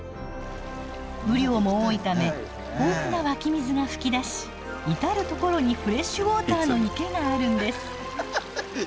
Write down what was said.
雨量も多いため豊富な湧き水が噴き出し至る所にフレッシュウォーターの池があるんです。